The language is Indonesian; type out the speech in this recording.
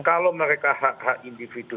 kalau mereka hak hak individu